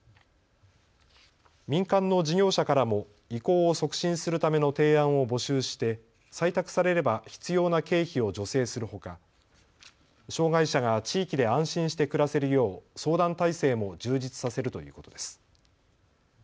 民間の事業者からも移行を促進するための提案を募集して採択されれば必要な経費を助成するほか障害者が地域で安心して暮らせるよう相談体制も充実させるということです。